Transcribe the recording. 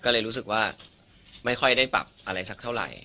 ก็เลยรู้สึกว่าไม่ค่อยได้ปรับอะไรสักเท่าไหร่